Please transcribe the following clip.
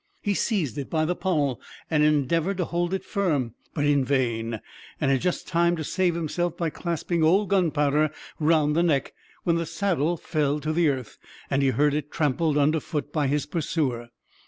He seized it by the pommel, and endeavored to hold it firm, but in vain; and had just time to save himself by clasping old Gunpowder round the neck, when the saddle fell to the earth, and he heard it trampled under foot by his pursuer.